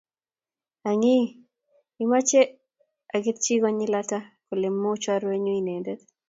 Ang'ii , imoche aketchi konyil ata kole machorwenyu inendet?